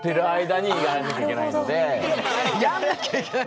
やんなきゃいけない！